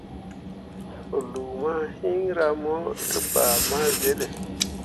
Lu mah hiŋra mo tegbah ma zele.